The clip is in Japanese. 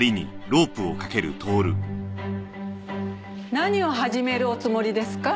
何を始めるおつもりですか？